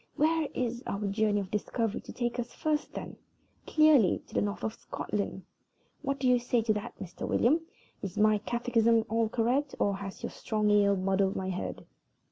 Where is our journey of discovery to take us to first, then? Clearly to the north of Scotland. What do you say to that, Mr. William? Is my catechism all correct, or has your strong ale muddled my head?"